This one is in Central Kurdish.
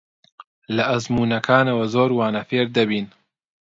لە ئەزموونەکانەوە زۆر وانە فێر دەبین.